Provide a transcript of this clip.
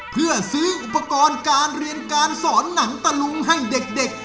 เพื่อซื้ออุปกรณ์การเรียนการสอนหนังตะลุงให้เด็ก